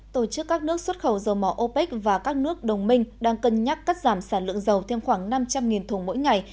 tổ chức các nước xuất khẩu dầu mỏ opec và các nước đồng minh đang cân nhắc cắt giảm sản lượng dầu thêm khoảng năm trăm linh thùng mỗi ngày